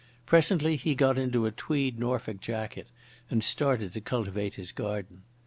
Presently he got into a tweed Norfolk jacket, and started to cultivate his garden.